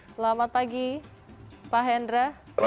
selamat pagi pak hendra